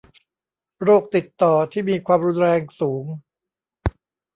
โรคติดต่อที่มีความรุนแรงสูง